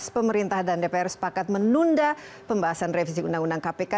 pemerintah dan dpr sepakat menunda pembahasan revisi undang undang kpk